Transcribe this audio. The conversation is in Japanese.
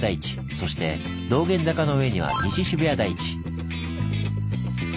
そして道玄坂の上には西渋谷台地。